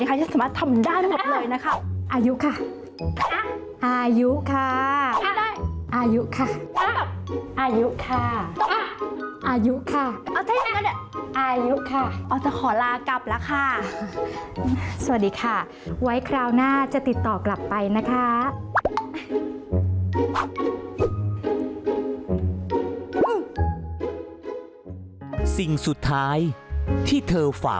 คุณประนอมคุณประนอมคุณประนอมคุณประนอมอยู่ที่นั่น